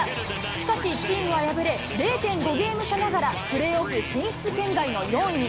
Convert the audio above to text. しかしチームは敗れ、０．５ゲーム差ながら、プレーオフ進出圏外の４位に。